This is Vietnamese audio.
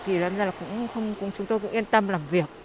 thì đâm ra là chúng tôi cũng yên tâm làm việc